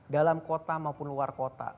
dalam kota maupun luar kota